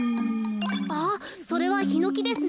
あっそれはヒノキですね。